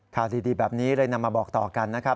ข่าวดีแบบนี้เลยนำมาบอกต่อกันนะครับ